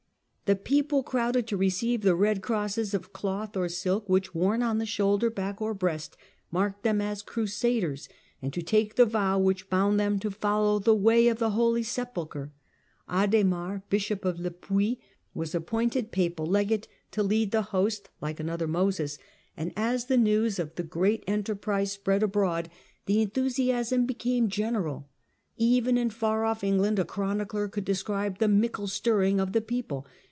The people crowded to receive the red crosses, of cloth or silk, which, worn on the shoulder, back, or breast, marked them as Crusaders, and to take the vow which bound them to follow the "way of the Holy Sepulchre." Adhemar, Bishop of Le Puy, was appointed papal legate, to lead the host " like another Moses," and as the news of the great 138 THE CENTRAL PERIOD OF THE MIDDLE AGE enterprise spread abroad, the enthusiasm became general. Even in far off England a chronicler could describe the " mickle stirring of the people."